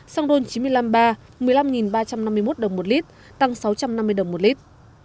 xăng đôn chín mươi năm ba một mươi năm ba trăm năm mươi một đồng một lít tăng sáu trăm năm mươi đồng một lít